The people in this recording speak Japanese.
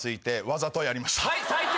はい最低。